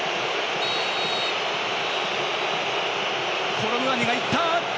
コロムアニ、いった！